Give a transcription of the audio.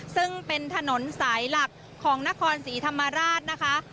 ซึ่งเป็นถนนสายหลักของนครศรีธรรมราชนะคะ